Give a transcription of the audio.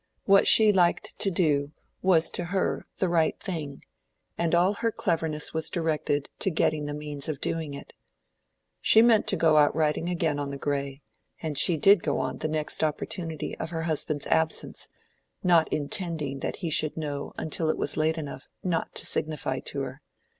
What she liked to do was to her the right thing, and all her cleverness was directed to getting the means of doing it. She meant to go out riding again on the gray, and she did go on the next opportunity of her husband's absence, not intending that he should know until it was late enough not to signify to her.